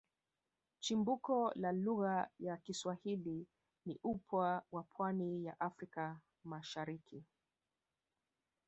Chimbuko la lugha ya Kiswahili ni upwa wa pwani ya Afrika Mashariki